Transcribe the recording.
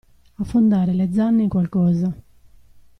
Affondare le zanne in qualcosa.